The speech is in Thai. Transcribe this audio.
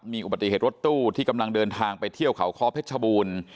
มีอุบัติเหตุรถตู้ที่กำลังเดินทางไปเที่ยวเขาคอเพชรชบูรณ์